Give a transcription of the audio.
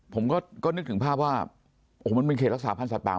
ผมก็นึกถึงภาพว่าโอ้โหมันเป็นเขตรักษาพันธ์สัตว์